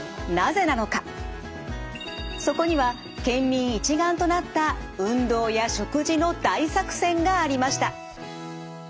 そこには県民一丸となった運動や食事の大作戦がありました。